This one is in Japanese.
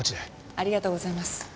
ありがとうございます。